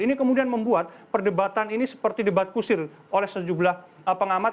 ini kemudian membuat perdebatan ini seperti debat kusir oleh sejumlah pengamat